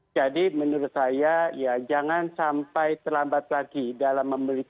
jadi menurut saya ya jangan sampai terlambat lagi dalam membeli belah